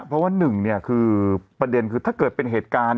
เพราะว่าหนึ่งคือประเด็นคือถ้าเกิดเป็นเหตุการณ์